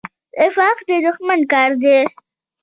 نفاق د دښمن کار دی